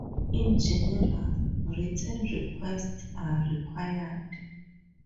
In general, written requests are required.